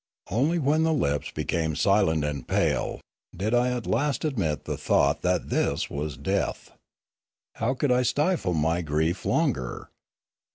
Only when the lips became silent and pale did I at last admit the thought that this was death. How could I stifle my grief longer